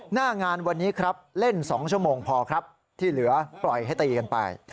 หน้างานวันนี้ครับเล่น๒ชั่วโมงพอครับที่เหลือปล่อยให้ตีกันไป